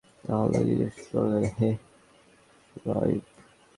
আল্লাহ্ জিজ্ঞেস করলেন, হে শুআয়ব!